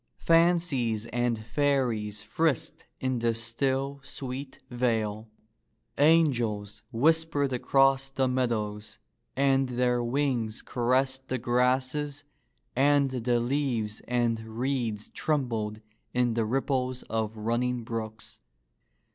Fan cies and fairies frisked in the still, sweet vale. Angels whispered across the meadows and their wings caressed the grasses and the leaves and reeds trembled in the ripples of running brooks.